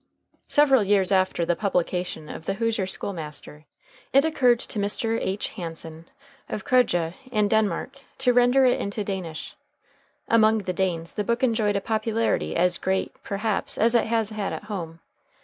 Several years after the publication of "The Hoosier School Master" it occurred to Mr. H. Hansen, of Kjöge, in Denmark, to render it into Danish. Among the Danes the book enjoyed a popularity as great, perhaps, as it has had at home.